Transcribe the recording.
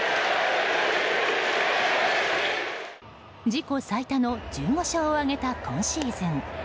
自己最多の１５勝を挙げた今シーズン。